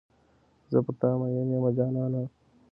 زه پر تا میین یمه جانانه.